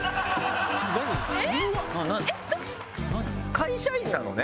会社員なのね？